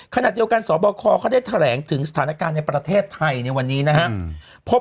ขณะเดียวกันสบคเขาได้แถลงถึงสถานการณ์ในประเทศไทยในวันนี้นะครับ